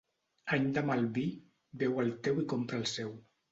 Any de mal vi, beu el teu i compra el seu.